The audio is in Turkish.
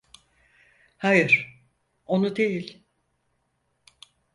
Hayır, onu değil.